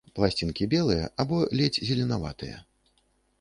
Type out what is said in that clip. Пласцінкі белыя або ледзь зеленаватыя.